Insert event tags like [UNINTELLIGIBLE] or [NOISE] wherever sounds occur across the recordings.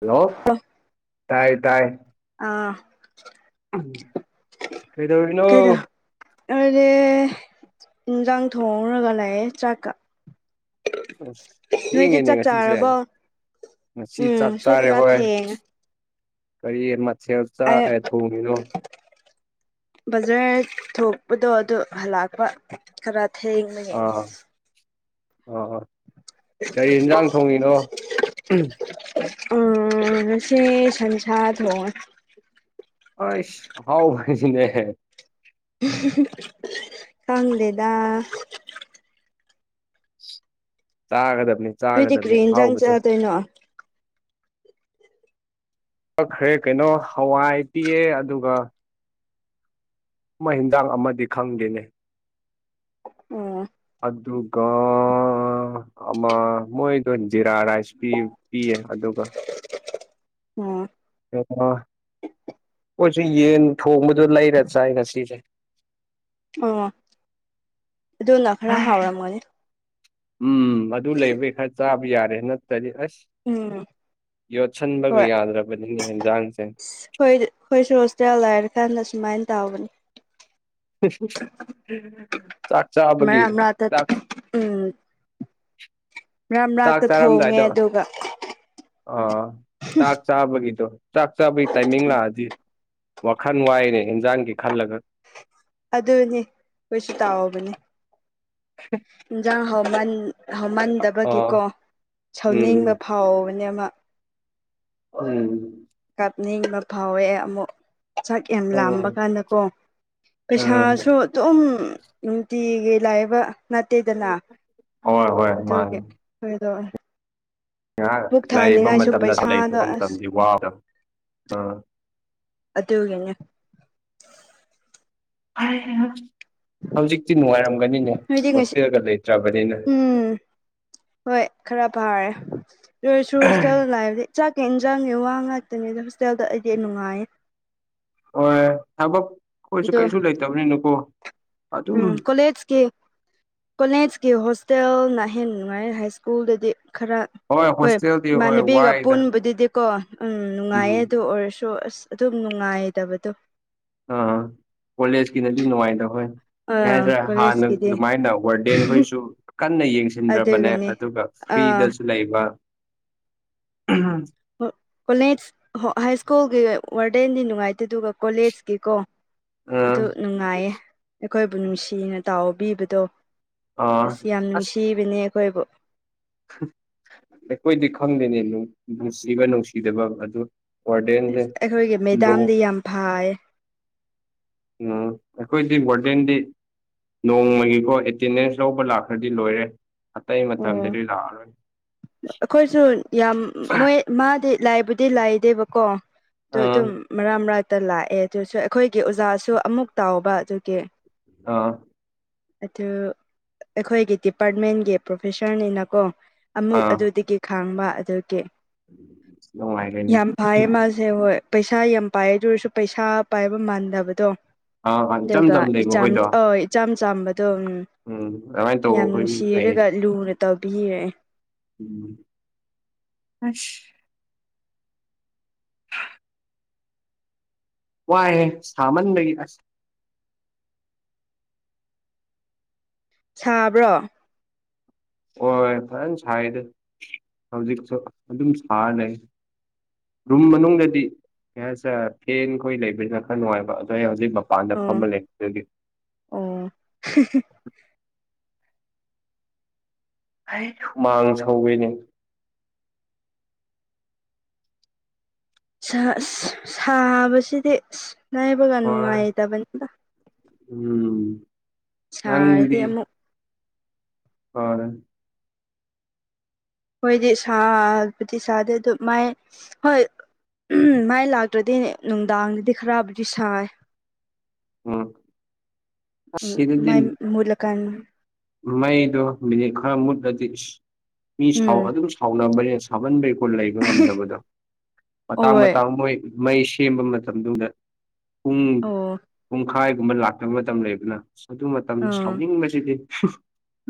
Hello ꯑꯣ ꯇꯥꯏ ꯇꯥꯏ ꯑꯥ ꯀꯩꯗꯧꯔꯤꯅꯣ ꯑꯩꯗꯤ ꯏꯟꯖꯥꯡ ꯊꯣꯡꯔꯒ ꯂꯩꯑꯦ ꯆꯥꯛꯀꯥ ꯅꯣꯏꯗꯤ ꯊꯦꯡꯉꯦꯅꯦ ꯆꯥꯛ ꯉꯁꯤꯁꯦ ꯆꯥꯔꯕꯣ ꯉꯁꯤ ꯎꯝ ꯆꯥꯛ ꯁꯤ ꯆꯥꯔꯦ ꯈꯔ ꯍꯣꯏ ꯊꯦꯡꯉꯦ ꯀꯔꯤ ꯃꯊꯦꯜ ꯆꯥ ꯑꯩ ꯑꯦ ꯊꯣꯡꯏꯅꯣ ꯕꯖꯥꯔ ꯊꯣꯛꯄꯗꯣ ꯑꯗꯨ ꯍꯜꯂꯛꯄ ꯈꯔ ꯊꯦꯡꯕꯒꯤ ꯑꯣ [UNINTELLIGIBLE] ꯎꯝ ꯉꯥꯁꯤ ꯁꯟꯁꯥ ꯊꯣꯡꯉꯦ ꯑꯦꯁ ꯑꯍꯥꯎꯕꯅꯤꯅꯦ [UNINTELLIGIBLE] ꯈꯪꯗꯦꯗꯥ ꯆꯥꯒꯗꯝꯅꯤ ꯅꯣꯏꯗꯤ ꯆꯥꯒꯗꯝꯅꯤ ꯀꯔꯤ ꯑꯍꯥꯎꯕꯁꯨ [UNINTELLIGIBLE] ꯀꯛꯈ꯭ꯔꯦ ꯀꯩꯅꯣ ꯍꯋꯥꯏ ꯄꯤꯑꯦ ꯑꯗꯨꯒ ꯑꯃ ꯍꯦꯟꯖꯥꯡ ꯑꯃꯗꯤ ꯈꯪꯗꯦꯅꯦ ꯑꯣ ꯑꯗꯨꯒ ꯑꯃꯥ ꯃꯣꯏꯗꯣ ꯖꯤꯔꯥ ꯔꯥꯏꯁ ꯄꯤꯌꯦ ꯄꯤꯌꯦ ꯑꯗꯨꯒ ꯑꯣ ꯑꯥ ꯑꯩꯈꯣꯏꯁꯨ ꯌꯦꯟ ꯊꯣꯡꯕꯗꯣ ꯂꯩꯔ ꯆꯥꯏ ꯉꯁꯤꯁꯦ ꯑꯣ ꯑꯗꯨꯅ ꯈꯔꯥ ꯍꯥꯎꯔꯝꯒꯅꯤ ꯎꯝ ꯑꯗꯨ ꯂꯩꯕꯩ ꯈꯔ ꯆꯥꯕ ꯌꯥꯔꯦ ꯅꯠꯇꯔꯗꯤ ꯑꯁ ꯎꯝ ꯌꯣꯠꯁꯤꯟꯕꯒ ꯌꯥꯗ꯭ꯔꯕꯅꯤꯅꯦ ꯌꯦꯟꯖꯥꯡꯁꯦ ꯈꯣꯏ ꯑꯩꯈꯣꯏꯁꯨ ꯍꯣꯁꯇꯦꯜ ꯂꯩꯔꯀꯥꯟꯗ ꯁꯨꯃꯥꯏꯅ ꯇꯧꯕꯅꯦ ꯆꯥꯛ ꯆꯥꯕꯒꯤ ꯃꯔꯛ ꯃꯔꯛꯇ ꯆꯥꯛ ꯎꯝ ꯃꯥꯔꯛ ꯆꯥꯛ ꯃꯥꯔꯛꯇ ꯊꯣꯡꯉꯦ ꯆꯥꯔꯝꯗꯥꯏꯗꯣ ꯑꯗꯨꯒ ꯑꯥ ꯆꯥꯛ ꯆꯥꯕꯒꯤꯗꯣ ꯆꯥꯛ ꯆꯥꯕꯒꯤ ꯇꯥꯏꯃꯤꯡ ꯂꯥꯛꯑꯗꯤ ꯋꯥꯈꯜ ꯋꯥꯏꯅꯦ ꯌꯦꯟꯖꯥꯡꯒꯤ ꯈꯜꯂꯒ ꯑꯗꯨꯅꯦ ꯈꯣꯏꯁꯨ ꯇꯧꯕꯅꯦ ꯏꯟꯖꯥꯡ ꯍꯥꯎꯃꯟ ꯑꯥ ꯍꯧꯎꯃꯟꯗꯕꯒꯤꯀꯣ ꯁꯥꯎꯅꯤꯡꯕ ꯎꯝ ꯐꯥꯎꯕꯅꯦꯕ ꯑꯃ ꯎꯝ ꯀꯥꯞꯅꯤꯡꯕ ꯐꯥꯎꯋꯦ ꯑꯃꯨꯛ ꯆꯥꯛ ꯌꯥꯝ ꯎꯝ ꯂꯥꯝꯕ ꯎꯝ ꯀꯥꯟꯗꯀꯣ ꯎꯝ ꯄꯩꯁꯥꯁꯨ ꯑꯗꯨꯝ ꯅꯨꯡꯇꯤꯒꯤ ꯂꯥꯛꯑꯦꯕ ꯅꯠꯇꯦꯗꯥꯅ ꯍꯣꯏ ꯍꯣꯏ ꯑꯗꯨꯒꯤ ꯃꯥꯅꯤ ꯊꯣꯏꯗꯣꯛꯑꯣ ꯉꯥꯏꯍꯥꯛ ꯂꯥꯏ ꯌꯦꯛꯕ ꯃꯇꯝꯗ ꯂꯥꯢ ꯌꯦꯛꯄꯥ ꯑꯁ ꯃꯇꯝꯗꯤ ꯋꯥꯕꯗꯥꯃꯦ ꯑꯥ ꯑꯗꯨꯒꯤꯅꯦ ꯍꯧꯖꯤꯛꯇꯤ ꯅꯨꯡꯉꯥꯏꯔꯝꯒꯅꯤꯅꯦ ꯅꯣꯏꯗꯤ ꯉꯁꯤ ꯍꯣꯁꯇꯦꯜꯒ ꯂꯩꯈ꯭ꯔꯕꯅꯤꯅ ꯎꯝ ꯍꯣꯏ ꯈꯔ ꯐꯥꯔꯦ ꯑꯣꯢꯁꯨ ꯍꯣꯁꯇꯦꯜꯗ ꯂꯩꯕꯗꯤ ꯆꯥꯛꯀ ꯌꯦꯟꯖꯥꯡꯅꯤ ꯋꯥ ꯉꯥꯛꯇꯅꯤꯗ ꯍꯣꯁꯇꯦꯜꯗ ꯑꯩꯗꯤ ꯅꯨꯡꯉꯥꯏꯌꯦ ꯍꯣꯏ ꯊꯕꯛ ꯑꯩꯈꯣꯏꯁꯨ ꯑꯗꯣ ꯀꯩꯁꯨ ꯂꯩꯇꯕꯅꯤꯅꯀꯣ ꯑꯗꯨꯝ ꯎꯝ ꯀꯣꯂꯦꯖ ꯀꯤ ꯀꯣꯂꯦꯖꯀꯤ ꯍꯣꯁꯇꯦꯜꯅ ꯍꯦꯟꯅ ꯅꯨꯡꯉꯥꯏ ꯍꯥꯏ ꯁ꯭ꯀꯨꯜꯗꯗꯤ ꯈꯔ ꯍꯣꯏ ꯍꯣꯁꯇꯦꯜꯗꯤ ꯍꯣꯏ ꯏꯃꯥꯟꯅꯕꯤꯒ ꯋꯥꯏꯗ ꯄꯨꯟꯕꯗꯨꯗꯤꯀꯣ ꯎꯝ ꯅꯨꯡꯉꯥꯏꯌꯦ ꯑꯗꯨ ꯎꯝ ꯑꯣꯏꯔꯁꯨ ꯑꯁ ꯑꯗꯨꯝ ꯅꯨꯡꯉꯥꯏꯗꯕꯗꯣ ꯑꯥ ꯀꯣꯂꯦꯖꯀꯤꯅꯗꯤ ꯅꯨꯡꯉꯥꯏꯗꯥ ꯍꯣꯏ ꯀꯩ ꯑꯥ ꯍꯥꯏꯗꯔꯥ ꯍꯥꯟꯅ ꯀꯣꯂꯦꯖꯀꯤꯗꯤ ꯑꯗꯨꯃꯥꯏꯅ ꯋꯥꯔꯗꯦꯟꯈꯣꯏꯁꯨ ꯀꯟꯅ ꯌꯦꯡꯁꯤꯟꯗ꯭ꯔꯕꯅꯦ ꯑꯗꯨꯒꯤꯅꯤ ꯑꯗꯨꯒ ꯑꯥ ꯐ꯭ꯔꯤꯗꯁꯨ ꯂꯩꯕ ꯀꯣꯂꯦꯖ ꯍꯥꯏ ꯁ꯭ꯀꯨꯜꯒꯤ ꯋꯥꯔꯗꯦꯟꯗꯤ ꯅꯨꯡꯉꯥꯏꯇꯦ ꯑꯗꯨꯒ ꯀꯣꯂꯦꯖꯀꯤꯀꯣ ꯑꯥ ꯑꯗꯨ ꯅꯨꯡꯉꯥꯏꯌꯦ ꯑꯩꯈꯣꯏꯕꯨ ꯅꯨꯡꯁꯤꯅ ꯇꯥꯎꯕꯤꯕꯗꯣ ꯑꯥ ꯑꯁ ꯌꯥꯝ ꯑꯁ ꯅꯨꯡꯁꯤꯕꯅꯦ ꯑꯩꯈꯣꯏꯕꯨ ꯑꯩꯈꯣꯏꯗꯤ ꯈꯪꯗꯦꯅꯦ ꯅꯨꯡꯁꯤꯕ ꯅꯨꯡꯁꯤꯗꯕ ꯑꯗꯨ ꯋꯥꯔꯗꯦꯟꯁꯦ ꯏꯁ ꯑꯩꯈꯣꯏꯒꯤ ꯗꯣ ꯃꯦꯗꯥꯝꯗꯤ ꯌꯥꯝ ꯐꯥꯌꯦ ꯑꯥ ꯑꯩꯈꯣꯏꯗꯤ ꯋꯥꯔꯗꯦꯟꯗꯤ ꯅꯣꯡꯃꯒꯤꯀꯣ ꯑꯦꯇꯦꯟꯗꯦꯟꯁ ꯂꯧꯕ ꯂꯥꯛꯈ꯭ꯔꯥꯗꯤ ꯂꯣꯏꯔꯦ ꯑꯇꯩ ꯑꯣ ꯃꯇꯝꯗꯗꯤ ꯂꯥꯛꯑꯔꯣꯏꯅꯤ ꯑꯩꯈꯣꯏꯁꯨ ꯌꯥꯝ ꯃꯣꯏ ꯃꯥꯗꯤ ꯂꯥꯏꯕꯨꯗꯤ ꯂꯥꯏꯗꯦꯕꯀꯣ ꯑꯗꯣ ꯑꯥ ꯑꯗꯨꯝ ꯃꯔꯥꯛ ꯃꯔꯥꯛꯇ ꯂꯥꯛꯑꯦ ꯑꯗꯨꯁꯨ ꯑꯩꯈꯣꯏꯒꯤ ꯑꯣꯖꯥꯁꯨ ꯑꯃꯨꯛ ꯇꯥꯎꯕ ꯑꯗꯨꯒꯤ ꯑꯥ ꯑꯗꯨ ꯑꯩꯈꯣꯏꯒꯤ ꯗꯤꯄꯥꯔꯠꯃꯦꯟꯒꯤ ꯄ꯭ꯔꯣꯐꯦꯁꯔꯅꯤꯅꯀꯣ ꯑꯃꯨꯛ ꯑꯥ ꯑꯗꯨꯗꯒꯤ ꯈꯥꯡꯕ ꯑꯗꯨꯒꯤ ꯅꯨꯡꯉꯥꯏꯒꯅꯤ ꯌꯥꯝ ꯐꯌꯦ ꯃꯥ ꯁꯦ ꯍꯣꯏ ꯄꯩꯁꯥ ꯌꯥꯝ ꯄꯥꯏ ꯑꯗꯨ ꯑꯣꯏꯔꯁꯨ ꯄꯩꯁꯥ ꯄꯥꯏꯕ ꯃꯥꯟꯗꯕꯗꯣ ꯑꯥ ꯑꯥ ꯏꯆꯝ ꯑꯗꯨꯒ ꯆꯝ ꯂꯩꯕ ꯏꯆꯝ ꯑꯩꯈꯣꯏꯗꯣ ꯏꯆꯝ ꯆꯝꯕꯗꯣ ꯎꯝ ꯎꯝ ꯑꯗꯨꯃꯥꯏꯅ ꯇꯧꯕ ꯌꯥꯝ ꯑꯩꯈꯣꯏ ꯃꯤ ꯐꯩꯌꯦ ꯅꯨꯡꯁꯤꯔꯒ ꯂꯨꯅ ꯇꯧꯕꯤꯅꯤꯑꯦ ꯑꯁ ꯋꯥꯏꯌꯦ ꯁꯥꯃꯟꯕꯒꯤ ꯁꯥꯕ꯭ꯔꯣ ꯍꯣꯏ ꯐꯖꯅ ꯁꯥꯏꯗꯥ ꯍꯧꯖꯤꯛꯁꯨ ꯑꯗꯨꯝ ꯁꯥ ꯂꯩ ꯔꯨꯝ ꯃꯅꯨꯡꯗꯗꯤ ꯀꯩ ꯍꯥꯏꯁꯤꯔꯥ ꯐꯦꯟ ꯈꯣꯏ ꯂꯩꯕꯁꯤꯅ ꯈꯔ ꯅꯨꯡꯉꯥꯏꯕ ꯑꯗꯣ ꯑꯩ ꯍꯧꯖꯤꯛ ꯃꯄꯥꯟ ꯃꯄꯥꯟꯗ ꯑꯣ ꯐꯝꯃ ꯂꯩ ꯑꯗꯨꯒꯤ ꯑꯣ ꯍꯤ ꯍꯤ ꯑꯩ ꯍꯨꯃꯥꯡ ꯁꯧꯋꯤꯅꯦ ꯁꯥ ꯁꯥꯕꯁꯤꯗꯤ ꯑꯁ ꯂꯩꯩꯕꯒ ꯍꯣꯏ ꯅꯨꯡꯉꯥꯏꯇꯕꯅꯤꯗ ꯎꯝ ꯁꯥꯔꯗꯤ ꯑꯃꯨꯛ ꯐꯔꯦ ꯍꯣꯏꯗꯤ ꯁꯥꯕꯨꯗꯤ ꯁꯥꯗꯦ ꯑꯗꯨ ꯃꯥꯏ ꯍꯣꯏ ꯎꯝ ꯃꯩ ꯂꯥꯛꯇ꯭ꯔꯗꯤ ꯅꯨꯡꯗꯥꯡꯗꯗꯤ ꯈꯔꯕꯨꯗꯤ ꯁꯥꯏ ꯎꯝ ꯑꯁ ꯎꯝ ꯁꯤꯗꯗꯤ ꯃꯩ ꯃꯨꯠꯂ ꯀꯥꯟ ꯃꯩꯗꯣ ꯃꯤꯅꯤꯠ ꯈꯔ ꯃꯨꯠꯂꯗꯤ ꯃꯤ ꯁꯥꯎ ꯎꯝ ꯑꯗꯨꯝ ꯁꯥꯎꯅꯕꯅꯦ ꯁꯥꯃꯟꯕꯩꯀꫭ ꯂꯩꯕ ꯉꯝꯗꯕꯗꯣ ꯃꯇꯥꯡ ꯍꯣꯏ ꯃꯇꯥꯡ ꯃꯣꯏ ꯃꯩ ꯁꯦꯝꯕ ꯃꯇꯝꯗꯨꯗ ꯄꯨꯡ ꯑꯣ ꯄꯨꯡ ꯍꯥꯏꯒꯨꯝꯕ ꯂꯥꯛꯇꯕ ꯃꯇꯝ ꯂꯩꯕꯅ ꯑꯗꯨ ꯃꯇꯝ ꯑꯥ ꯁꯥꯎꯅꯤꯡꯕꯁꯤꯗꯤ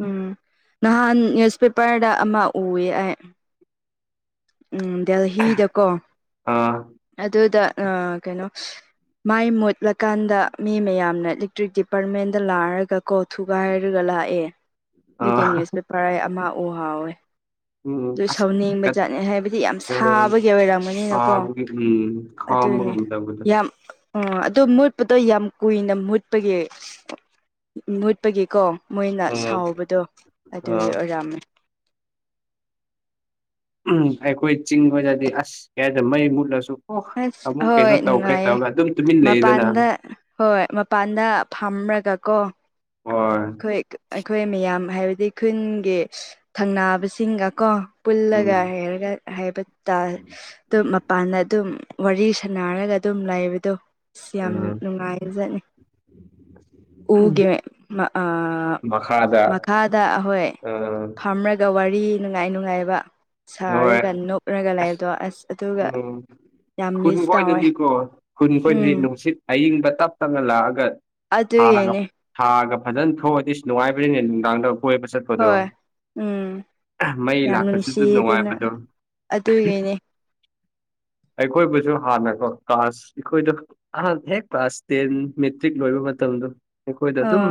ꯎꯝ ꯅꯍꯥꯟ ꯅ꯭ꯌꯨꯁꯄꯦꯄꯔꯗ ꯑꯃ ꯎꯋꯦ ꯑꯩ ꯎꯝ ꯗꯦꯜꯍꯤꯗꯀꯣ ꯑ ꯑꯗꯨꯗ ꯑ ꯀꯩꯅꯣ ꯃꯥꯏ ꯃꯨꯠꯂꯀꯥꯟꯗ ꯃꯤ ꯃꯌꯥꯝꯅ ꯏꯂꯦꯛꯇ꯭ꯔꯤꯛ ꯗꯤꯄꯥꯔꯠꯃꯦꯟꯗ ꯂꯥꯛꯔꯒ ꯀꯣ ꯊꯨꯒꯥꯏ ꯍꯥꯏꯔꯒ ꯂꯥꯛꯑꯦ ꯑ ꯑꯗꯨꯒꯤ ꯅ꯭ꯌꯨꯁꯄꯦꯄꯔ ꯑꯩ ꯑꯃ ꯎ ꯍꯧꯋꯦ ꯑꯗꯨ ꯎꯝ ꯑꯁ ꯁꯥꯎꯅꯤꯡꯕꯖꯥꯠ ꯍꯥꯏꯕꯗꯤ ꯌꯥꯝ ꯀꯣꯟ ꯁꯥꯕꯒꯤ ꯑꯣꯏꯔꯝꯒꯅꯤꯅꯀꯣ ꯁꯥꯕꯒꯤ ꯎꯝ ꯈꯥꯝꯕ ꯑꯗꯨꯅꯤ ꯉꯝꯗꯕꯗꯣ ꯌꯥꯝ ꯑꯣ ꯑꯗꯨ ꯃꯨꯠꯄꯗꯣ ꯌꯥꯝ ꯀꯨꯏꯅ ꯃꯨꯠꯄꯒꯤ ꯃꯨꯠꯄꯒꯤꯀꯣ ꯃꯣꯏꯅ ꯎꯝ ꯁꯥꯎꯕꯗꯣ ꯑ ꯑꯗꯨꯒꯤ ꯑꯣꯏꯔꯝꯃꯦ ꯎꯝ ꯑꯩꯈꯣꯏ ꯆꯤꯡ ꯍꫭꯏꯗꯗꯤ ꯑꯁ ꯀꯩ ꯍꯥꯏꯗ ꯃꯩ ꯃꯨꯠꯂꯁꯨ ꯑꯣ ꯑꯁ ꯑꯃꯨꯛ ꯍꯣꯏ ꯀꯩꯅꯣ ꯇꯧꯈ꯭ꯔꯦ ꯅꯨꯡꯉꯥꯏꯌꯦ ꯇꯧꯔꯒ ꯑꯗꯨꯝ ꯇꯨꯃꯤꯟ ꯂꯩꯗꯅ ꯃꯄꯥꯟꯗ ꯍꯣꯏ ꯃꯄꯥꯟꯗ ꯐꯝꯔꯒ ꯀꯣ ꯍꯣꯏ ꯑꯩꯈꯣꯏ ꯑꯩꯈꯣꯏ ꯃꯌꯥꯝ ꯍꯥꯏꯕꯗꯤ ꯈꯨꯟꯒꯤ ꯊꯪꯅꯥꯕꯁꯤꯡꯒ ꯀꯣ ꯄꯨꯜꯂꯒ ꯎꯝ ꯍꯥꯏꯔꯒ ꯍꯥꯏꯕ ꯇ ꯑꯗꯨꯝ ꯃꯄꯥꯟꯗ ꯑꯗꯨꯝ ꯋꯥꯔꯤ ꯁꯥꯟꯅꯔꯒ ꯑꯗꯨꯝ ꯂꯩꯕꯗꯣ ꯑꯁ ꯌꯥꯝ ꯎꯝ ꯅꯨꯡꯉꯥꯏꯖꯅꯤ ꯎꯒꯦ ꯑ ꯃꯈꯥꯗ ꯃꯈꯥꯗ ꯍꫭꯏ ꯐꯝꯔꯒ ꯋꯥꯔꯤ ꯅꯨꯡꯉꯥꯏ ꯅꯨꯡꯉꯥꯏꯕ ꯅꯨꯡꯉꯥꯏ ꯁꯥꯔꯒ ꯅꯣꯛꯂꯒ ꯂꯩꯕꯗꯣ ꯑꯁ ꯑꯗꯨꯒ ꯎꯝ ꯌꯥꯝ ꯈꯨꯟ ꯃꯤꯁ ꯇꯧꯋꯦ ꯀꯣꯏꯗꯗꯤꯀꯣ ꯈꯨꯟ ꯀꯣꯏꯏꯗ꯭ꯔꯤ ꯎꯝ ꯅꯨꯡꯁꯤꯠ ꯑꯏꯤꯡꯕ ꯇꯞ ꯇꯞꯅ ꯂꯥꯛꯑꯒ ꯍꯥꯡꯉꯒ ꯑꯗꯨꯒꯤꯅꯦ ꯊꯥꯒ ꯐꯖꯅ ꯊꯣꯛꯑꯗꯤ ꯅꯨꯡꯉꯥꯏꯕꯅꯤꯅꯦ ꯅꯨꯡꯗꯥꯡꯗ ꯀꯣꯏꯕ ꯆꯠ ꯄꯗꯣ ꯍꯣꯏ ꯎꯝ ꯃꯩ ꯌꯥꯝ ꯂꯥꯛꯇꯔꯁꯨ ꯑꯗꯨꯝ ꯅꯨꯡꯁꯤꯌꯦ ꯑꯗꯨꯅ ꯅꯨꯡꯉꯥꯏꯕꯗꯣ ꯑꯗꯨꯒꯤꯅꯦ ꯑꯩꯈꯣꯏꯕꯨꯁꯨ ꯍꯥꯟꯅꯀꯣ ꯀ꯭ꯂꯥꯁ ꯑꯩꯈꯣꯏꯗ ꯑꯍꯥꯟ ꯍꯦꯛ ꯀꯂꯥꯁ ꯇꯦꯟ ꯃꯦꯇ꯭ꯔꯤꯛ ꯂꯣꯏꯕ ꯃꯇꯝꯗꫭ ꯑꯩꯈꯣꯏꯗ ꯑꯗꯨꯝ ꯑꯣ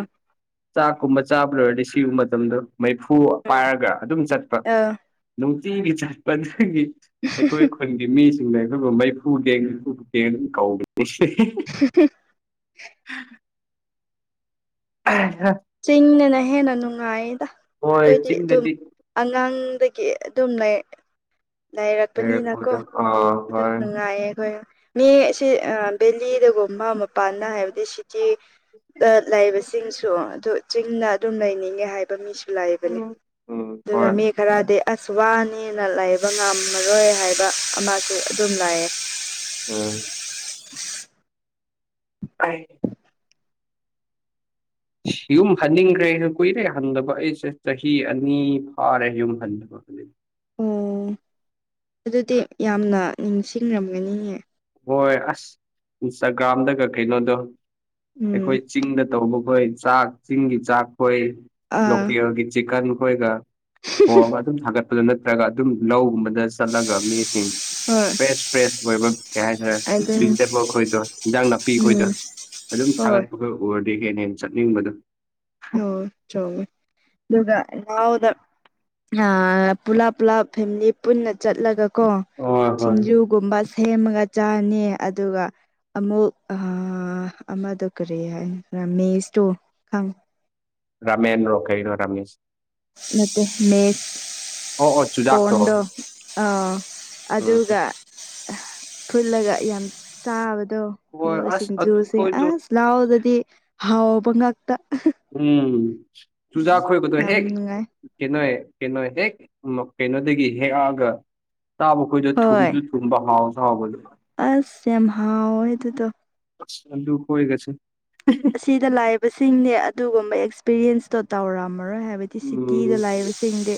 ꯆꯥꯛꯀꯨꯝꯕ ꯆꯥꯕ ꯂꯣꯏꯔꯗꯤ ꯁꯤꯒꯨꯝꯕ ꯃꯇꯝꯗꫭ ꯃꯩꯐꯨ ꯎꯝ ꯄꯥꯏꯔꯒ ꯑꯗꯨꯝ ꯆꯠꯄ ꯑ ꯅꯨꯡꯇꯤꯒꯤ ꯆꯠꯄ ꯑꯗꯨꯒꯤ ꯑꯩꯈꯣꯏ ꯈꯨꯟꯒꯤ ꯃꯤꯁꯤꯡꯅ ꯑꯩꯈꯣꯏꯕꯨ ꯃꯩꯐꯨ ꯇꯦꯡ ꯃꯩꯐꯨꯇꯦꯡ ꯑꯗꯨꯝ ꯀꯧꯕꯤꯅꯤ ꯁꯤꯐ [UNINTELLIGIBLE] ꯍ [UNINTELLIGIBLE] ꯎ [UNINTELLIGIBLE] ꯆꯤꯡꯗꯅ ꯍꯦꯟꯅ ꯅꯨꯡꯉꯥꯏꯗ ꯍꯣꯏ ꯑꯩꯈꯣꯏꯗꯤ ꯑꯗꯨꯝ ꯆꯤꯡꯗꯗꯤ ꯑꯉꯥꯡꯗꯒꯤ ꯑꯗꯨꯝ ꯂꯩꯥ ꯂꯩꯔꯛꯄꯅꯤꯅꯀꯣ ꯂꯩꯔꯛꯄꯗ ꯑꯥ ꯑꯗꯨ ꯍꯣꯏ ꯅꯨꯡꯉꯥꯏꯌꯦ ꯑꯩꯈꯣꯏ ꯃꯤ ꯑꯁꯤ ꯕꯦꯂꯤꯗꯒꯨꯝꯕ ꯃꯄꯥꯟꯗ ꯍꯥꯏꯕꯗꯤ ꯆꯤ ꯂꯩꯕꯁꯤꯡꯁꯨ ꯑꯗꯨ ꯆꯤꯡꯅ ꯑꯗꯨꯝ ꯂꯩꯅꯤꯡꯉꯦ ꯍꯥꯏ ꯕ ꯃꯤꯁꯨ ꯂꯩꯕꯅꯦ ꯎꯝ ꯎꯝ ꯑꯗꯨꯒ ꯍꯣꯏ ꯃꯤ ꯈꯔꯗꯤ ꯑꯁ ꯋꯥꯅꯤꯅ ꯂꯩꯕ ꯉꯝꯃꯔꯣꯏ ꯍꯥꯏꯕ ꯑꯃꯁꯨ ꯑꯗꯨꯝ ꯂꯥꯛꯑꯦ ꯎꯝ ꯑꯩ ꯌꯨꯝ ꯍꯟꯅꯤꯡꯈ꯭ꯔꯦ ꯀꯨꯏꯔꯦ ꯍꯟꯗꯕ ꯑꯩꯁꯦ ꯆꯍꯤ ꯑꯅꯤ ꯐꯥꯔꯦ ꯌꯨꯝ ꯍꯟꯕ [INAUDIBLE] ꯑꯣ ꯑꯗꯨꯗꯤ ꯌꯥꯝꯅ ꯅꯤꯡꯁꯤꯡꯔꯝꯒꯅꯤꯌꯦ ꯍꯣꯏ ꯑꯁ ꯏꯟꯁꯇꯥꯒ꯭ꯔꯥꯝꯗꯒ ꯀꯩꯅꯣꯗꯣ ꯑꯩꯈꯣꯏ ꯎꯝ ꯆꯤꯡꯗ ꯇꯧꯕꯈꯣꯏ ꯆꯥꯛ ꯆꯤꯡꯒꯤ ꯆꯥꯛ ꯈꯣꯏ ꯑꯥ ꯂꯣꯀꯦꯜꯒꯤ ꯆꯤꯛꯀꯟ ꯈꯣꯏꯒ ꯊꯣꯡꯉꯥ ꯑꯗꯨꯝ ꯊꯥꯒꯠꯄꯗꯣ ꯅꯠꯇ꯭ꯔꯒ ꯑꯗꯨꯝ ꯂꯧꯒꯨꯝꯕꯗ ꯆꯠꯂꯒ ꯃꯤꯁꯤꯡ ꯍꯣꯏ ꯐ꯭ꯔꯦꯁ ꯐ꯭ꯔꯦꯁ ꯑꯣꯏꯕ ꯀꯩ ꯍꯥꯏꯇꯥꯔꯦ ꯑꯗꯨꯅꯤ ꯚꯤꯖꯤꯇꯦꯕꯜ ꯈꯣꯏꯗꯣ ꯏꯟꯖꯥꯡ ꯅꯥꯄꯤ ꯑꯩꯈꯣꯏꯗꯣ ꯎꯝ ꯑꯗꯨꯝ ꯍꯣꯏ ꯊꯥꯒꯠꯄ ꯎꯔꯗꯤ ꯍꯦꯟꯅ ꯍꯦꯟꯅ ꯆꯠꯅꯤꯡꯕꯗꯣ ꯑꯣ ꯆꯣ ꯑꯗꯨꯒ ꯌꯥꯎꯗ ꯄꯨꯂꯞ ꯄꯨꯂꯞ ꯐꯦꯃꯤꯂꯤ ꯄꯨꯟꯅ ꯆꯠꯂꯒ ꯀꯣ ꯍꯣꯏ ꯍꯣꯏ ꯁꯤꯡꯖꯨ ꯒꯨꯝꯕ ꯁꯦꯝꯃꯒ ꯆꯥꯅꯤ ꯑꯗꯨꯒ ꯑꯃꯨꯛ ꯑ ꯑꯃꯗꯣ ꯀꯔꯤ ꯍꯥꯏꯕꯔꯥꯥ ꯃꯦꯁꯇꯣ ꯈꯪ ꯔꯃꯦꯟꯔꯣ ꯀꯩꯅꯣ ꯔꯃꯦꯁ ꯅꯠꯇꯦ ꯃꯦꯁ ꯑꯣ ꯑꯣ ꯆꯨꯖꯥꯛꯇꯣ ꯀꯣꯔꯟꯗꯣ ꯑ ꯎꯝ ꯑꯗꯨꯒ ꯐꯨꯠꯂꯒ ꯌꯥꯝ ꯆꯥꯕꯗꯣ ꯍꯣꯏ ꯑꯗꯨꯒ ꯑꯁ ꯑꯗꯨ ꯁꯤꯡꯖꯨꯁꯦ ꯈꯣꯏꯗꯣ ꯑꯁ ꯂꯥꯎꯗꯗꯤ ꯍꯥꯎꯕ ꯉꯥꯛꯇ ꯎꯝ ꯆꯨꯖꯥꯛ ꯈꯣꯏꯕꯗꯣ ꯌꯥꯝ ꯍꯦꯛ ꯅꯨꯡꯉꯥꯏ ꯀꯩꯅꯣ ꯀꯩꯅꯣ ꯍꯦꯛ ꯀꯩꯅꯣꯗꯒꯤ ꯍꯦꯛꯑꯒ ꯇꯥꯕ ꯈꯣꯏꯗꯣ ꯍꯣꯏ ꯊꯨꯝꯗꯨ ꯕ ꯍꯥꯎꯁꯨ ꯍꯥꯎꯕꯗꯣ ꯑꯁ ꯌꯥꯝ ꯍꯥꯎꯋꯦ ꯑꯗꯨꯗꯣ ꯑꯁ ꯑꯂꯨꯈꯣꯏꯒꯁꯦ ꯑꯁꯤꯗ ꯂꯥꯏꯕꯁꯤꯡꯅꯦ ꯑꯗꯨꯒꯨꯝꯕ ꯑꯦꯛꯁꯄꯤꯔꯤꯌꯦꯟꯁꯇꯣ ꯇꯧꯔꯝꯃꯔꯣꯏ ꯍꯥꯏꯕꯗꯤ ꯁꯤꯇꯤꯗ ꯎꯝ ꯂꯥꯏꯕꯁꯤꯡꯗꯤ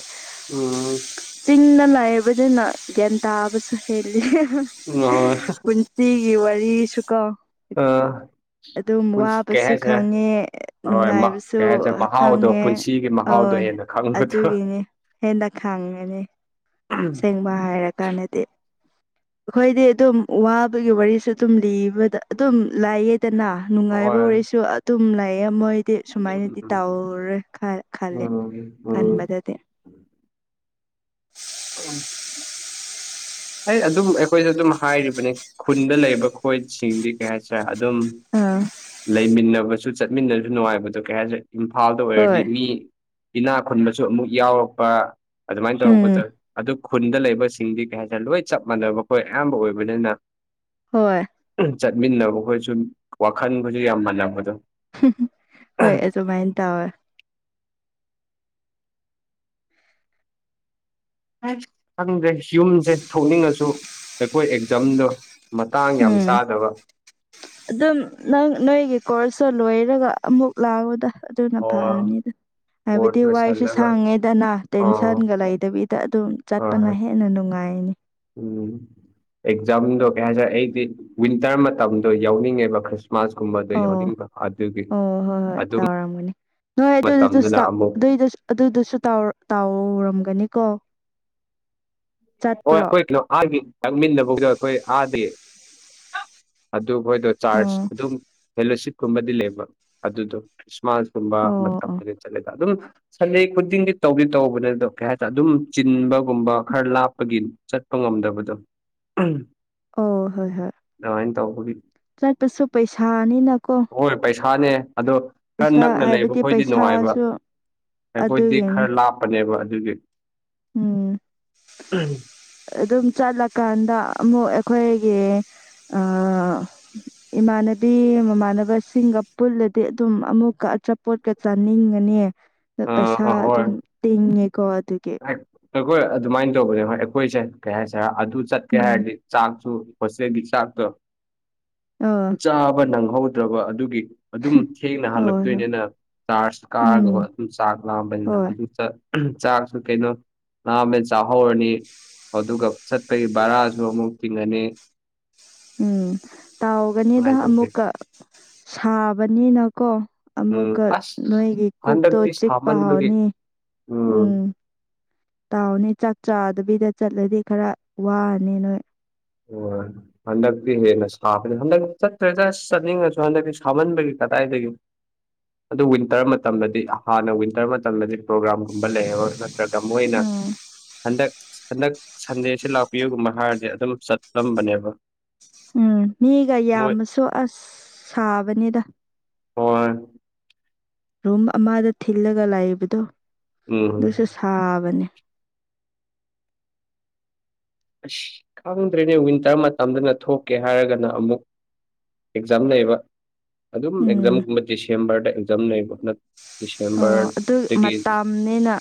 ꯎꯝ ꯆꯤꯡꯁ ꯂꯩꯕꯗꯨꯅ ꯒ꯭ꯌꯥꯟ ꯇꯥꯕꯁꯨ ꯍꯦꯜꯂꯤ ꯍꯣꯏ꯫ ꯁꯤꯒꯤ ꯋꯥꯔꯤꯁꯨ ꯀꯣ ꯑ ꯄꯨꯟ ꯁꯨ ꯈꯪꯉꯦ ꯅꯨꯡꯉꯥꯏꯕꯁꯨ ꯀꯩ ꯍꯥꯏꯁꯤꯔꯦ ꯃꯍꯥꯎꯗꯣ ꯈꯪꯉꯦ ꯄꯨꯟꯁꯤꯒꯤ ꯃꯍꯥꯎꯗꯣ ꯑꯋꫭꯏ ꯍꯦꯟꯅ ꯈꯪꯕꯗꯣ ꯑꯗꯨꯒꯤꯅꯤ ꯍꯦꯟꯅꯥ ꯈꯥꯡꯉꯅꯤ [UNINTELLIGIBLE] ꯑꯁꯦꯡꯕ ꯍꯥꯏꯔ ꯀꯥꯟꯗꯗꯤ ꯑꯩꯈꯣꯏꯗꯤ ꯑꯗꯨꯝ ꯋꯥꯕꯒꯤ ꯋꯥꯔꯤꯁꯨ ꯑꯗꯨꯝ ꯂꯤꯕ ꯗ ꯑꯗꯨꯝ ꯂꯥꯏꯌꯦꯗꯅ ꯅꯨꯡꯉꯥꯏꯕ ꯍꯣꯏ ꯋꯥꯔꯤꯁꯨ ꯑꯗꯨꯝ ꯂꯥꯏꯑꯦ ꯃꯣꯏ ꯗꯤ ꯁꯨꯃꯥꯏꯅꯗꯤ ꯇꯧꯔꯣꯏ ꯈꯜꯂꯦ ꯎꯝ ꯎꯝ ꯈꯟꯕꯗꯗꯤ [UNINTELLIGIBLE] ꯑꯩ ꯑꯗꯨꯝ ꯑꯩꯈꯣꯏꯗꯗꯨꯝ ꯍꯥꯏꯔꯤꯕꯅꯤ ꯈꯨꯟꯗ ꯂꯩꯕ ꯈꯣꯏꯁꯤꯡꯗꯤ ꯀꯩ ꯍꯥꯏꯁꯔꯦ ꯑꯗꯨꯝ ꯑꯥ ꯂꯩꯃꯤꯟꯅꯕꯁꯨ ꯆꯠꯃꯤꯟꯅꯕꯁꯨ ꯅꯨꯡꯉꯥꯏꯕꯗꯣ ꯀꯩ ꯍꯥꯏꯁꯔꯦ ꯏꯝꯐꯥꯜꯗ ꯑꯣꯏꯔꯗꯤ ꯍꯣꯏ ꯃꯤ ꯏꯅꯥ ꯈꯨꯟꯕꯁꯨ ꯑꯃꯨꯛ ꯌꯥꯎꯔꯛꯄ ꯑꯗꯨꯃꯥꯏꯅ ꯇꯧꯔꯛꯄꯗ ꯎꯝ ꯑꯗꯨ ꯈꯨꯟꯗ ꯂꯩꯕꯁꯤꯡꯗꯤ ꯀꯩ ꯍꯥꯏꯇꯥꯔꯦ ꯂꯣꯏ ꯆꯞ ꯃꯥꯟꯅꯕ ꯑꯩꯈꯣꯏ ꯑꯌꯥꯝꯕ ꯑꯣꯏꯕꯅꯤꯅ ꯍꯣꯏ ꯆꯠꯃꯤꯟꯅꯕ ꯈꯣꯏꯁꯨꯝ ꯋꯥꯈꯜꯈꯣꯏꯁꯨ ꯌꯥꯝ ꯃꯥꯜꯂꯝꯕꯗꯣ ꯍꯣꯏ ꯑꯗꯨꯃꯥꯏꯟ ꯇꯧꯋꯦ ꯈꯪꯗ꯭ꯔꯦ ꯌꯨꯝꯁꯦ ꯊꯣꯛꯅꯤꯡꯉꯁꯨ ꯑꯩꯈꯣꯏ ꯑꯦꯛꯖꯥꯝꯗꯣ ꯃꯇꯥꯡ ꯌꯥꯝ ꯎꯝ ꯆꯥꯗꯕ ꯑꯗꯨꯝ ꯅꯪ ꯅꯣꯏꯒꯤ ꯀꯣꯔꯁ ꯂꯣꯏꯔꯒ ꯑꯃꯨꯛ ꯂꯥꯛꯑꯣꯗ ꯑꯗꯨꯅ ꯑꯣ ꯐꯔꯅꯤꯗ ꯍꯥꯏꯕꯗꯤ ꯀꯣꯔꯁ ꯋꯥꯏꯁꯨ ꯂꯣꯏꯁꯤꯜꯂꯒ ꯁꯪꯉꯦꯗꯅ ꯑ ꯇꯦꯟꯁꯟꯒ ꯂꯩꯇꯕꯤꯗ ꯑꯗꯨꯝ ꯑ ꯆꯠꯄꯅꯍꯦ ꯍꯦꯟꯅ ꯅꯨꯡꯉꯥꯏꯅꯤ ꯎꯝ ꯑꯦꯛꯖꯥꯝꯗꯣ ꯀꯩ ꯍꯥꯏꯇꯥꯔꯦ ꯑꯩꯗꯤ ꯋꯤꯟꯇꯔ ꯃꯇꯝꯗꯣ ꯌꯥꯎꯅꯤꯡꯉꯦꯕ ꯈ꯭ꯔꯤꯁ ꯑꯣ ꯑꯣ ꯍꯣꯏ ꯍꯣꯏ ꯑꯗꯨ ꯇꯧꯔꯝꯒꯅꯤ꯫ ꯅꯣꯏ ꯃꯇꯝꯗꯨꯅ ꯑꯗꯨꯗꯨꯗꯨꯁꯇ ꯑꯃꯨꯛ ꯑꯗꯨꯢꯗꯨꯁ ꯑꯗꯨꯗꯨꯁꯨ ꯇꯧꯔꯝꯒꯅꯤ ꯀꯣ꯫ ꯍꯣꯢ ꯑꯩꯈꯣꯏ [UNINTELLIGIBLE] ꯑꯥ ꯒꯤ꯫ ꯊꯛꯃꯤꯟꯅꯕꯧꯗ ꯑꯩꯈꯣꯏ ꯍꯥꯗꯦ ꯑꯗꯨꯈꯣꯏꯗꯣ ꯑꯣ ꯆꯥꯔꯖ ꯑꯗꯨꯝ ꯐꯦꯂꯣꯁꯤꯞꯀꯨꯝꯕꯗꯤ ꯂꯩꯕ ꯑꯗꯨꯗꯣ ꯈ꯭ꯔꯤꯁꯃꯥꯁꯀꯨꯝꯕ ꯑꯣ ꯑꯣ ꯃꯇꯝꯗ ꯆꯠꯂꯦꯗ ꯑꯗꯨꯝ ꯁꯟꯗꯦ ꯈꯨꯗꯤꯡꯒꯤ ꯇꯧꯗꯤ ꯇꯧꯕꯅꯦꯗꯣ ꯀꯩ ꯍꯥꯏꯇꯥꯔꯦ ꯑꯗꯨꯝ ꯆꯤꯟꯕꯒꯨꯝꯕ ꯈꯔ ꯂꯥꯞ ꯄꯒꯤ ꯆꯠꯄ ꯉꯝꯗꯕꯗꯣ꯫ ꯑꯣ ꯍꯣꯏ ꯍꯣꯏ꯫ ꯑꯗꯨꯃꯥꯏꯅ ꯇꯧꯕꯒꯤ꯫ ꯆꯠꯄꯁꯨ ꯄꯩꯁꯥꯅꯤꯅ ꯀꯣ꯫ ꯍꯣꯏ ꯄꯩꯁꯥꯅꯦ ꯑꯗꯣ꯫ ꯈꯔ ꯅꯛꯅ ꯂꯩꯕ ꯍꯥꯏꯕꯗꯤ ꯑꯩꯈꯣꯏꯗꯤ ꯅꯨꯡꯉꯥꯏꯕ ꯄꯩꯁꯥꯁꯨ ꯑꯩꯈꯣꯏꯗꯤ ꯑꯗꯨꯒꯤꯅꯤ ꯈꯔ ꯂꯥꯞꯄꯅꯦꯕ ꯑꯗꯨꯒꯤ꯫ ꯎꯝ ꯑꯗꯨꯝ ꯆꯠꯂꯀꯥꯟꯗ ꯑꯃꯨꯛ ꯑꯩꯈꯣꯏꯒꯤ ꯑ ꯏꯃꯥꯟꯅꯕꯤ ꯃꯃꯥꯟꯅꯕꯁꯤꯡꯒ ꯄꯨꯜꯂꯗꯤ ꯑꯗꯨꯝ ꯑꯃꯨꯛꯀ ꯑꯆꯥꯄꯣꯠꯀ ꯆꯥꯅꯤꯡꯒꯅꯤ ꯑꯥ ꯄꯩꯁꯥ ꯑꯍꯣꯏ ꯑꯗꯨꯝ ꯇꯤꯡꯉꯦꯀꯣ ꯑꯗꯨꯒꯤ꯫ ꯑꯩꯈꯣꯏ ꯑꯗꯨꯃꯥꯏ ꯇꯧꯕꯅꯦ ꯍꯣꯏ ꯑꯩꯈꯣꯏꯁꯦ ꯀꯩ ꯍꯥꯏꯁꯦꯔ ꯑꯗꯨ ꯆꯠꯀꯦ ꯎꯝ ꯍꯥꯏꯔꯗꯤ ꯆꯥꯛꯖꯨ ꯍꯣꯁꯇꯦꯜꯒꯤ ꯆꯥꯛꯇꯣ ꯑ ꯆꯥꯕ ꯅꯪꯍꯧꯗ꯭ꯔꯕ ꯑꯗꯨꯒꯤ꯫ ꯑꯗꯨꯝ ꯊꯦꯡꯅ ꯍꯣꯏ ꯍꯣꯏ ꯍꯜꯂꯛꯇꯣꯏꯅꯤꯅ ꯆꯥꯔꯖ ꯎꯝ ꯀꯥꯔꯒ ꯍꯣꯢ ꯑꯗꯨꯝ ꯆꯥꯛ ꯂꯥꯝꯕꯅꯤꯅ ꯍꯣꯏ ꯑꯗꯨ ꯆꯠ ꯆꯥꯛꯁꯨ ꯀꯩꯅꯣ ꯂꯥꯝꯃꯦ ꯆꯥꯍꯧꯔꯅꯤ ꯑꯗꯨꯒ ꯆꯠꯄꯒꯤ ꯕꯔꯥꯁꯨ ꯑꯃꯨꯛ ꯇꯤꯡꯉꯅꯤ꯫ ꯎꯝ ꯇꯥꯎꯒꯅꯤꯗ ꯑꯗꯨꯃꯥꯏꯅ ꯇꯧꯒꯦ ꯑꯃꯨꯛꯀ ꯁꯥꯕꯅꯤꯅꯀꯣ꯫ ꯎꯝ ꯑꯃꯨꯛꯀ ꯑꯁ ꯅꯣꯏꯒꯤ ꯀꯣꯛꯇꯣ ꯍꯟꯗꯛꯇꯤ ꯆꯤꯛꯄ ꯁꯥꯃꯟꯕꯒꯤ ꯍꯧꯔꯅꯤ꯫ ꯎꯝ꯫ ꯇꯧꯅꯤ ꯆꯥꯛ ꯆꯥꯗꯕꯤꯗ ꯆꯠꯂꯗꯤ ꯈꯔ ꯋꯥꯔꯅꯤ ꯅꯣꯏ꯫ ꯍꯣꯢ ꯍꯟꯗꯛꯇꯤ ꯍꯦꯟꯅ ꯁꯥꯕꯅꯤ ꯍꯟꯗꯛ ꯆꯠꯇ꯭ꯔꯦꯗ ꯆꯠꯅꯤꯡꯉꯁꯨ ꯍꯟꯗꯛꯇꯤ ꯁꯥꯃꯟꯕꯒꯤ ꯀꯗꯥꯏꯗꯒꯤ꯫ ꯑꯗꯨ ꯋꯤꯟꯇꯔ ꯃꯇꯝꯗꯗꯤ ꯍꯥꯟꯅ ꯋꯤꯟꯇꯔ ꯃꯇꯝꯗꯗꯤ꯫ ꯄ꯭ꯔꯣꯒ꯭ꯔꯥꯝꯒꯨꯝꯕ ꯂꯩꯌꯦꯕ ꯅꯠꯇ꯭ꯔꯒ ꯃꯣꯏꯅ ꯎꯝ ꯍꯟꯗꯛ ꯍꯟꯗꯛ ꯁꯟꯗꯦꯁꯤ ꯂꯥꯛꯄꯤꯌꯨꯒꯨꯝꯕ ꯍꯥꯏꯔꯗꯤ ꯑꯗꯨꯝ ꯆꯠꯂꯝꯕꯅꯦꯕ꯫ ꯎꯝ ꯃꯤꯒ ꯃꯣꯏ ꯌꯥꯝꯃꯁꯨ ꯑꯁ ꯁꯥꯕꯅꯤꯗ꯫ ꯍꯣꯏ꯫ ꯔꯨꯝ ꯑꯃꯗ ꯊꯤꯜꯂꯒ ꯂꯩꯕꯗꯣ ꯎꯝ ꯑꯗꯨꯁꯨ ꯁꯥꯕꯅꯤ꯫ ꯑꯁ ꯈꯪꯗ꯭ꯔꯦꯅꯦ ꯋꯤꯟꯇꯔ ꯃꯇꯝꯗꯅ ꯊꯣꯛꯀꯦ ꯍꯥꯏꯔꯒꯅ ꯑꯃꯨꯛ꯫ ꯑꯦꯛꯖꯥꯝ ꯂꯩꯕ ꯑꯗꯨꯝ ꯎꯝ ꯑꯦꯛꯖꯥꯝꯒꯨꯝꯕ ꯗꯤꯁꯦꯝꯕꯔꯗ ꯑꯦꯛꯖꯥꯝ ꯂꯩꯕ ꯅꯠ ꯑꯣ ꯑꯗꯨ ꯃꯇꯝꯅꯦꯅ꯫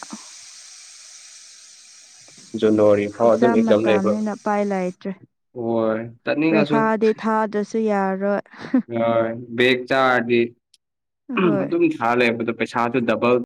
ꯖꯅꯋꯥꯔꯤ ꯐꯥꯎ ꯑꯗꯨꯝ ꯑꯦꯛꯖꯥꯝ ꯂꯩꯕ ꯃꯇꯥꯝꯅꯤꯅ ꯎꯄꯥꯏ ꯂꯩꯇ꯭ꯔꯦ꯫ ꯍꯣꯏ ꯆꯠꯅꯤꯡꯉꯁꯨ ꯄ꯭ꯔꯩꯈꯥꯗꯤ ꯊꯥꯗ꯭ꯔꯁꯨ ꯌꯥꯔꯣꯏ꯫ ꯍꯣꯏ ꯕꯦꯛ ꯆꯥꯔꯗꯤ ꯍꯣꯏ ꯑꯗꯨꯝ ꯊꯥ ꯂꯩꯕꯗꯣ ꯄꯩꯁꯥꯗꯣ ꯗꯕꯜ